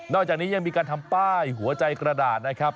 อกจากนี้ยังมีการทำป้ายหัวใจกระดาษนะครับ